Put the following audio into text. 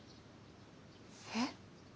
えっ？